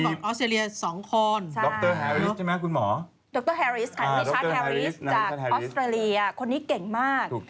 ดรแฮริสค่ะนี่ชาติแฮริสจากออสเตอร์เลียคนนี้เก่งมาก